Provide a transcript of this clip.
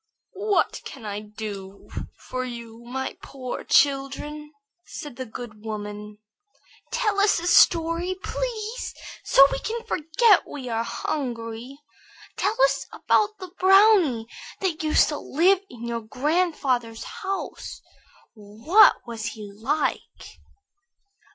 "What can I do for you, my poor children?" said the good woman. "Tell us a story, please, so that we can forget we are hungry. Tell us about the brownie that used to live in your grandfather's house. What was he like?"